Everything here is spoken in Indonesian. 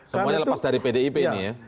semuanya lepas dari pdip ini ya